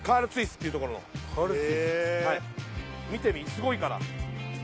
すごいから。